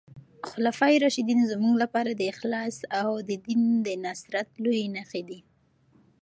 خلفای راشدین زموږ لپاره د اخلاص او د دین د نصرت لويې نښې دي.